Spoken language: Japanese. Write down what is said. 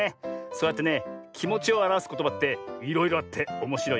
そうやってねきもちをあらわすことばっていろいろあっておもしろいよなあ。